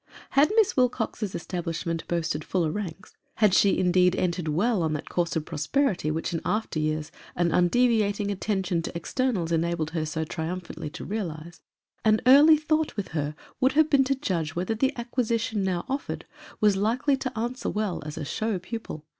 Had Miss Wilcox's establishment boasted fuller ranks had EMMA. 247 she indeed entered well on that course of prosperity which ia after years an undeviating attention to externals enabled her so triumphantly to realize an early thought with her would have been to judge whether the acquisition now offered was likely to answer well as a show pupil.